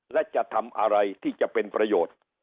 และจะทำอะไรที่จะเป็นประโยชน์